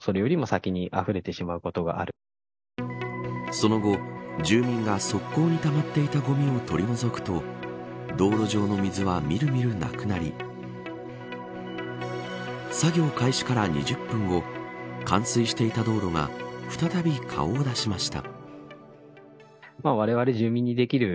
その後、住民が側溝にたまっていたごみを取り除くと道路上の水はみるみるなくなり作業開始から２０分後冠水していた道路が再び顔を出しました。